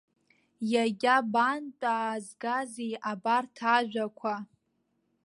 Иагьабантәаазгазеи абарҭ ажәақәа!